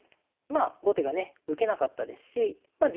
まあ後手がね受けなかったですしまあ